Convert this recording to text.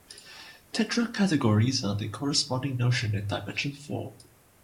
Tetracategories are the corresponding notion in dimension four.